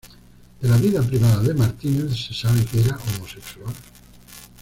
De la vida privada de Martínez se sabe que era homosexual.